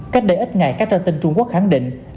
cách đây ít ngày các tờ tin trung quốc khẳng định